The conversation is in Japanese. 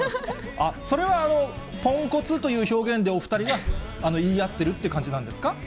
それはポンコツという表現で、お２人が言い合ってるって感じなんですか？